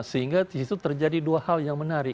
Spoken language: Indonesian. sehingga di situ terjadi dua hal yang menarik